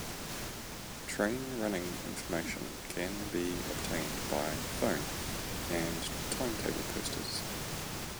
Train running information can be obtained by phone and timetable posters.